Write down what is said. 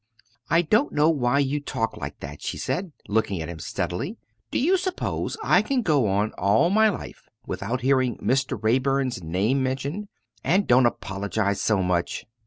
"I don't know why you talk like that," she said, looking at him steadily. "Do you suppose I can go on all my life without hearing Mr. Raeburn's name mentioned? And don't apologise so much!